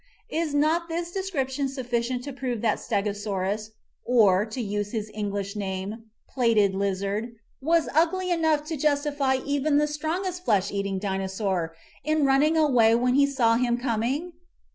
Is not this description suffi cient to prove that Stegosaurus, or, to use his English name, Plated Lizard, was ugly enough to justify even the strongest flesh eating Dinosaur in running away when he saw him coming